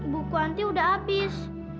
buku nanti udah abis